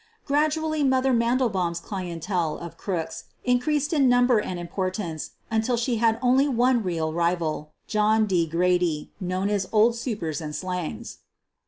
Gradually "Mother" Mandelbaum 's clientele of crooks increased in number and importance until she had only one real rival, John D. Grady, knows as "Old Supers and Slangs."